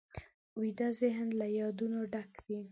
ویده ذهن له یادونو ډک وي